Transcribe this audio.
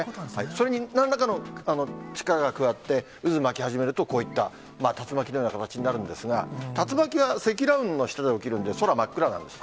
それになんらかの力が加わって、渦巻き始めると、こういった竜巻のような形になるんですが、竜巻は積乱雲の下で起きるんで、空、真っ暗なんです。